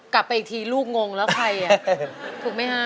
กลับไปอีกทีลูกงงแล้วใครถูกไหมฮะ